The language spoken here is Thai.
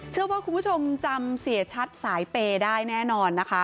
เชื่อว่าคุณผู้ชมจำเสียชัดสายเปย์ได้แน่นอนนะคะ